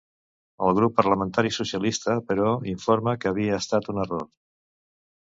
El grup parlamentari socialista, però, informà que havia estat un error.